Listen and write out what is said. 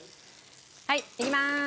はいいきまーす。